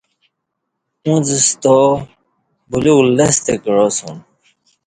اُݩڅ ستا بلیوک لستہ کعاسوم